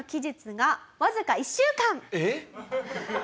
えっ！？